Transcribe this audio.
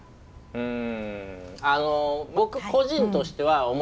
うん。